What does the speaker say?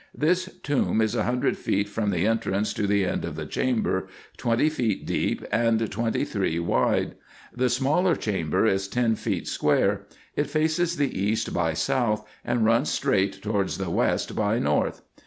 This tomb is a hundred feet from the entrance to the end of the chamber, twenty feet deep, and twenty three wide. The smaller chamber is ten feet square : it faces the east by south, and runs straight towards west by north.